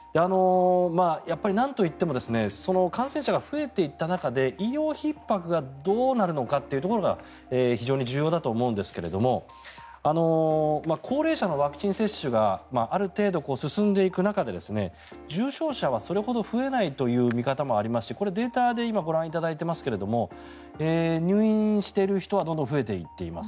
やっぱりなんといっても感染者が増えていった中で医療ひっ迫がどうなるのかというところが非常に重要だと思うんですけれど高齢者のワクチン接種がある程度、進んでいく中で重症者はそれほど増えないという見方もありましてこれデータで今、ご覧いただいていますが入院している人はどんどん増えていっています。